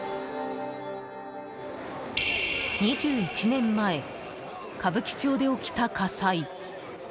２１年前歌舞伎町で起きた火災。